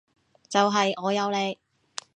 就係我有你